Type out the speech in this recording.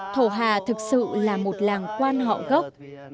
thổ hà thực sự là một làng quan họ gốc